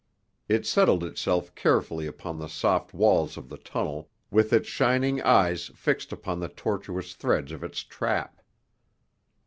It settled itself carefully upon the soft walls of the tunnel, with its shining eyes fixed upon the tortuous threads of its trap.